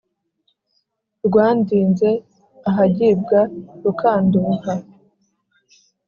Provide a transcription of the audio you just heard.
Rwandinze ahagibwa Rukandoha